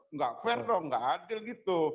enggak fair dong enggak adil gitu